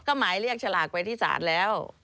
ก็หมายเรียกฉลากไปที่ศาลแล้ว